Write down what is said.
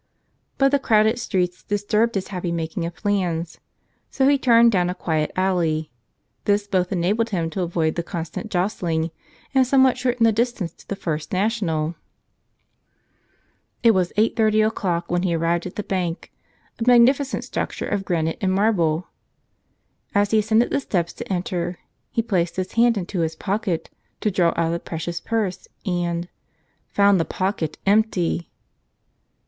But the crowded streets disturbed his happy making of plans; so he turned down a quiet alley. This both enabled him to avoid the constant jostling and somewhat shortened the distance to the First National. It was 8:30 o'clock when he arrived at the bank, a magnificent structure of granite and marble. As he ascended the steps to enter, he placed his hand into his pocket to draw out the precious purse and — found the pocket empty!